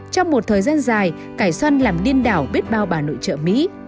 trong một thời gian dài cải xoăn làm điên đảo biết bao bà nội chợ mỹ